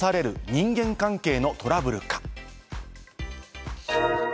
人間関係のトラブルか。